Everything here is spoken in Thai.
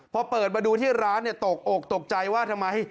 พอเปิดมาดูที่ร้านตกอกตกใจว่าทำไม